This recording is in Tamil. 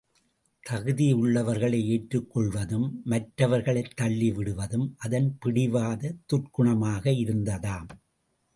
தகுதியுள்ளவர்களை ஏற்றுக் கொள்வதும், மற்றவர்களைத் தள்ளிவிடுவதும் அதன் பிடிவாத துர்க்குணமாக இருந்ததாம்!